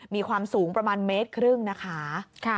มีความสูงประมาณเมตรครึ่งนะคะ